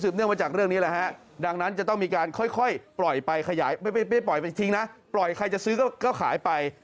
ไม่ได้ปล่อยไปทิ้งนะปล่อยใครจะซื้อก็ขายไป